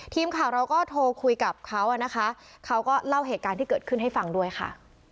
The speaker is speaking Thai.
ทีมข่าวเราก็โทรคุยกับเขานะคะเขาก็เล่าเหตุการณ์ที่เกิดขึ้นให้ฟังด้วยค่ะ